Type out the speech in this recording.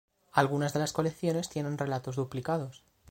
Algunas de las colecciones tienen relatos duplicados.